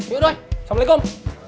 yuk doi assalamualaikum